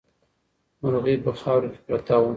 مرغۍ په خاورو کې پرته وه.